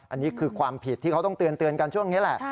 อันนี้คือความผิดที่เขาต้องเตือนกันช่วงนี้แหละ